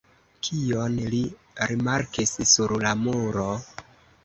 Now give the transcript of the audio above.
Kion li rimarkis sur la muro?